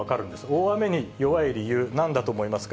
大雨に弱い理由なんだと思いますか？